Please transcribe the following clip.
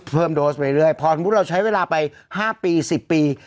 โดสไปเรื่อยพอสมมุติเราใช้เวลาไป๕ปี๑๐ปี